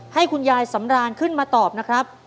ให้คุณยายสำรานขึ้นมาตอบนะครับ